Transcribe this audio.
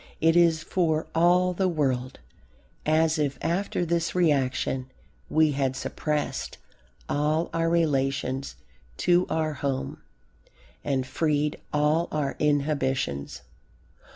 It is, for all the world, as if after this reaction we had suppressed all our relations to our home and freed all our inhibitions.